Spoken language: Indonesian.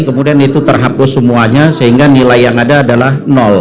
kemudian itu terhapus semuanya sehingga nilai yang ada adalah nol